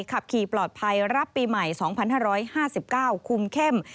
ขับขี่ปลอดภัยรับปีใหม่๒๕๕๙คุมเข้ม